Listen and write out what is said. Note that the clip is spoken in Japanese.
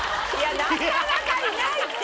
なかなかいないって。